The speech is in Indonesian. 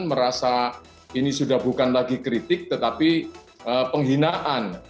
merasa ini sudah bukan lagi kritik tetapi penghinaan